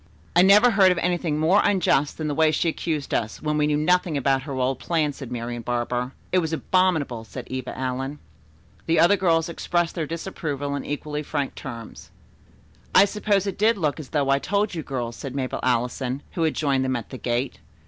"I never heard of anything more unjust than the way she accused us, when we knew nothing about her old plan," said Marian Barber. "It was abominable," said Eva Allen. The other girls expressed their disapproval in equally frank terms. "I suppose it did look as though I told you girls," said Mabel Allison, who had joined them at the gate.